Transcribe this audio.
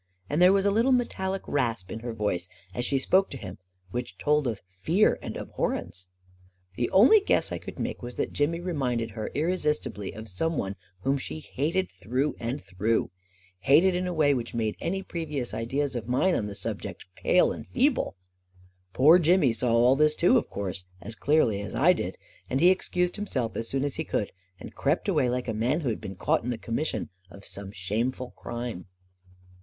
And there was a little metallic rasp in her voice as she spoke to him which told of fear and abhorrence. The only guess I could make was that Jimmy re minded her irresistibly of some one whom she hated through and through — hated in a way which made any previous ideas of mine on the subject pale and feeble I Poor Jimmy saw all this too, of course, as clearly as I did, and he excused himself as soon as he could, and crept away like a man who had been caught in the commission of some shameful crime.